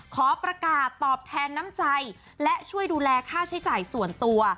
ขอประกาศตอบแทนน้ำใจและช่วยดูแลค่าใช้จ่ายส่วนตัว